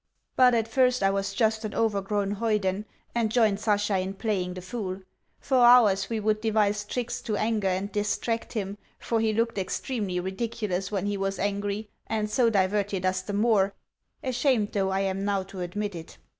But at first I was just an overgrown hoyden, and joined Sasha in playing the fool. For hours we would devise tricks to anger and distract him, for he looked extremely ridiculous when he was angry, and so diverted us the more (ashamed though I am now to admit it).